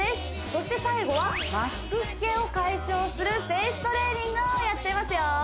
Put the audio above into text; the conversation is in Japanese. そして最後はマスク老けを解消するフェイストレーニングをやっちゃいますよ